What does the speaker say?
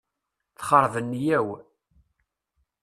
Texreb nniyya-w.